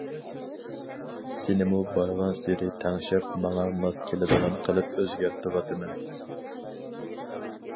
سېنىمۇ بارغانسېرى تەڭشەپ ماڭا ماس كېلىدىغان قىلىپ ئۆزگەرتىۋاتىمەن.